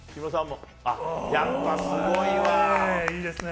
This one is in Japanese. やっぱすごいわ。